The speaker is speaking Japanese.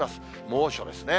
猛暑ですね。